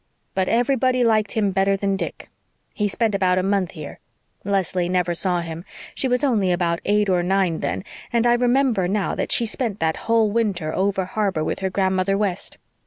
But everybody liked him better than Dick. He spent about a month here. Leslie never saw him; she was only about eight or nine then and I remember now that she spent that whole winter over harbor with her grandmother West.